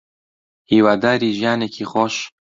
هیواداری ژیانێکی خۆش